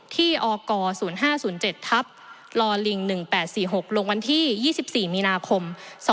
ที่อก๐๕๐๗ทับลลิง๑๘๔๖ลงวันที่๒๔มีนาคม๒๕๖